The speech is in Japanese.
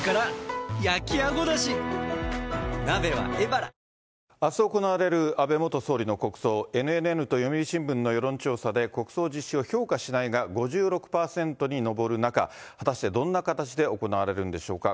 まあ、ＮＮＮと読売新聞の世論調査で、国葬実施を評価しないが５６％に上る中、果たしてどんな形で行われるんでしょうか。